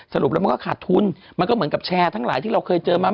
สรุปแล้วมันก็ขาดทุนมันก็เหมือนกับแชร์ทั้งหลายที่เราเคยเจอมา